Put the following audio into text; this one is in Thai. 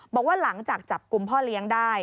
บอกว่าหลังจากจับกลุ่มพ่อเลี้ยงได้